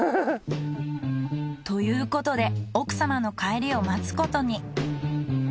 ということで奥様の帰りを待つことに。